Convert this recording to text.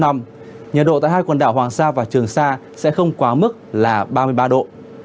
nhiệt độ tại hai quần đảo hoàng sa và trường sa sẽ không quá mức là ba mươi ba độ